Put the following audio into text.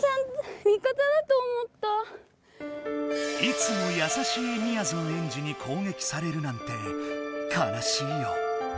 いつも優しいみやぞんエンジにこうげきされるなんてかなしいよ。